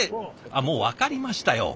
あっもう分かりましたよ。